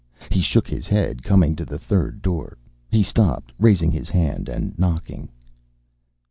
He shook his head, coming to the third door. He stopped, raising his hand and knocking.